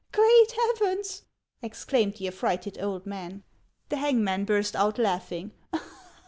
Great heavens !" exclaimed the affrighted old man. The hangman burst out laughing.